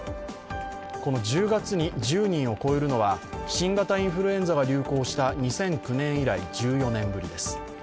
この１０月に１０人を超えるのは新型インフルエンザが流行した２００９年以来、１４年ぶりです。